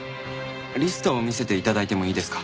リストを見せて頂いてもいいですか？